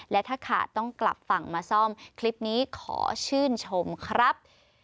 และถ้าขาดต้องกลับฝั่งมาซ่อมคลิปนี้ขอชื่นชมครับ